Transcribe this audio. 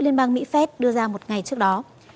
liên bang mỹ phép đưa ra một ngày trước đó